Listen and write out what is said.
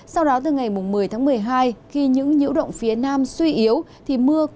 sau đó từ ngày một mươi một mươi hai khi những nhiễu động phía nam suy yếu mưa cũng tạm giảm trên khu vực